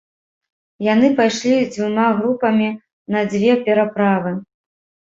Яны пайшлі дзвюма групамі на дзве пераправы.